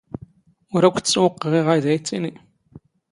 ⵓⵔ ⴰⴽⴽⵯ ⵜⵜⵙⵡⵡⵇⵖ ⵉ ⵖⴰⵢⴷⴰ ⵉⵜⵜⵉⵏⵉ.